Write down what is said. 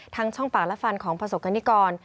ช่องปากและฟันของประสบกรณิกร